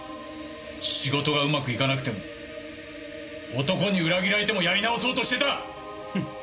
仕事がうまくいかなくても男に裏切られてもやり直そうとしてた！